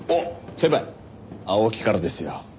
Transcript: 先輩青木からですよ。